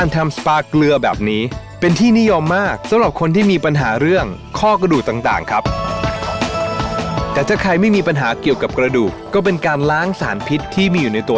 แท่นเดียวผมขอลองใช้สปาเกลือแล้วกันนะครับ